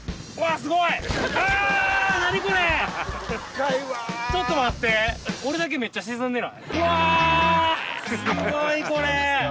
すごいこれ！